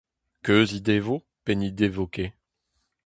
Keuz he devo pe n'he devo ket ?